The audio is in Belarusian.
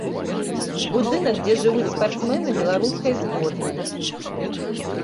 Будынак, дзе жывуць спартсмены беларускай зборнай.